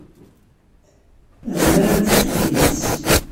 Demmrent-tt deg yidis.